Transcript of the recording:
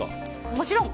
もちろん。